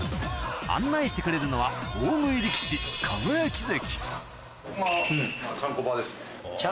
案内してくれるのは大食い力士輝関ここが。